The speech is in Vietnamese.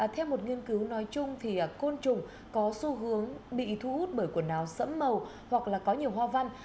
theo một nghiên cứu nói chung thì côn trùng có xu hướng bị thu hút bởi quần áo sẫm màu hoặc là có nhiều hoa văn